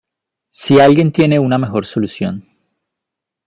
si alguien tiene una mejor solución